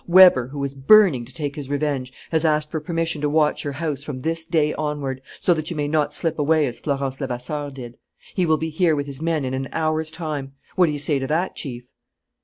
Weber, who is burning to take his revenge, has asked for permission to watch your house from this day onward, so that you may not slip away as Florence Levasseur did. He will be here with his men in an hour's time. What do you say to that, Chief?"